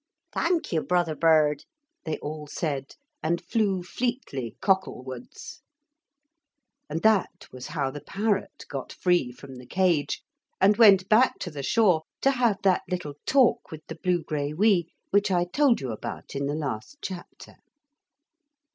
'Thank you, brother bird,' they all said, and flew fleetly cocklewards. And that was how the parrot got free from the cage and went back to the shore to have that little talk with the blugraiwee which I told you about in the last chapter.